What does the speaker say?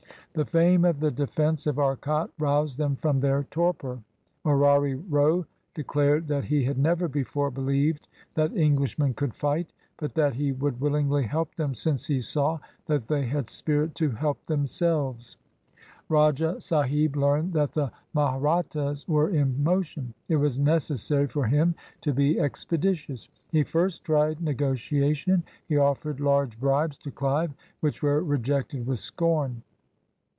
The fame of the defense of Arcot roused them from their torpor. Morari Row declared that he had never before believed that Englishmen could fight, but that he would willingly help them since he saw that they had spirit to help themselves. Rajah Sahib learned that the Mahrat tas were in motion. It was necessary for him to be ex peditious. He first tried negotiation. He offered large bribes to Clive, which were rejected with scorn.